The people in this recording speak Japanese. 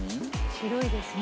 白いですね。